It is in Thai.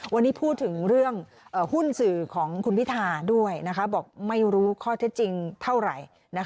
วันนี้พูดถึงเรื่องหุ้นสื่อของคุณพิธาด้วยบอกไม่รู้ข้อเท็จจริงเท่าไหร่